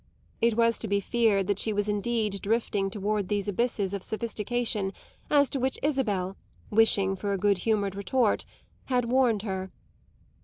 It was to be feared that she was indeed drifting toward those abysses of sophistication as to which Isabel, wishing for a good humoured retort, had warned her.